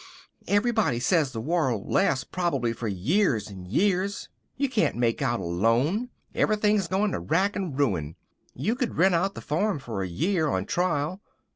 "Everybody says the war'll last prob'ly for years an' years. You can't make out alone. Everything's goin' to rack and ruin. You could rent out the farm for a year, on trial.